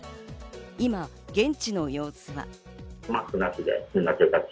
今、現地の様子は。